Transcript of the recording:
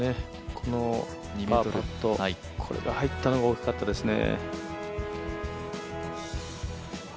このパーパット、これが入ったのが大きかったですね。